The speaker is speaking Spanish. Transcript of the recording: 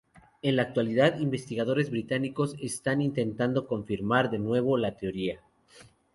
En la actualidad, investigadores británicos están intentando confirmar, de nuevo, la Teoría.